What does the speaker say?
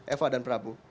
eva dan prabu